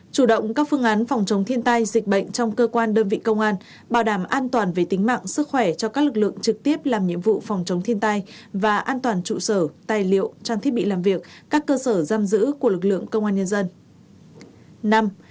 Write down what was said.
chủ động các phương án phòng chống thiên tai dịch bệnh trong cơ quan đơn vị công an bảo đảm an toàn về tính mạng sức khỏe cho các lực lượng trực tiếp làm nhiệm vụ phòng chống thiên tai và an toàn trụ sở tài liệu trang thiết bị làm việc các cơ sở giam giữ của lực lượng công an nhân dân